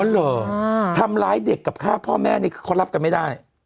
เหรอทำร้ายเด็กกับฆ่าพ่อแม่นี่คือเขารับกันไม่ได้